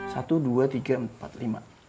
satu dua tiga empat lima